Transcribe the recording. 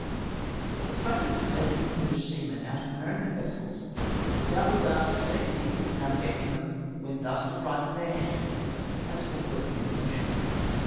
The practice of taking Enghsh seamen out of Ameri can vessels, without regard to the safety of navigating them when thus deprived of their hands, has been already mentioned.